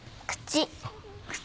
口。